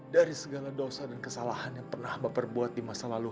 dari segala dosa dan kesalahan yang pernah bapak buat di masa lalu